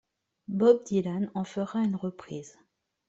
Bob Dylan en fera une reprise.